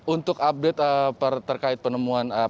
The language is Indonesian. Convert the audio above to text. untuk update terkait penemuan air laut